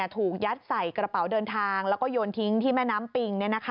ถูกยัดใส่กระเป๋าเดินทางแล้วก็โยนทิ้งที่แม่น้ำปิง